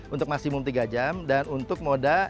untuk maksimum tiga jam dan untuk moda